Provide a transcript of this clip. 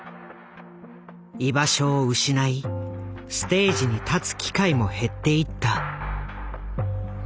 居場所を失いステージに立つ機会も減っていった。